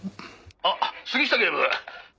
「あっ杉下警部！」